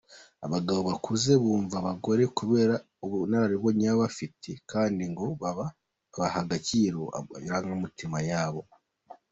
Abagabo bakuze bumva abagore kubera ubunararibonye baba bafite kandi ngo baha agaciro amarangamutima yabo.